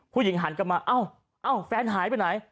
ผู้หญิงหันกลับมาอ้าวแฟนหายไปไหน